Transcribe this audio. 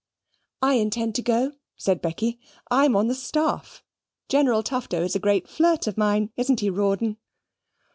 "I intend to go," said Becky. "I'm on the staff. General Tufto is a great flirt of mine. Isn't he, Rawdon?"